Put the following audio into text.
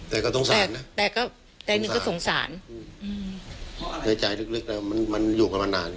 แต่ก็สงสารนะแต่ก็ใจหนึ่งก็สงสารในใจลึกแล้วมันมันอยู่กันมานาน